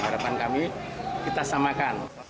harapan kami kita samakan